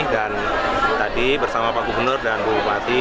dan tadi bersama pak gubernur dan bupati